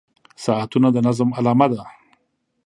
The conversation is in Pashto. • ساعتونه د نظم علامه ده.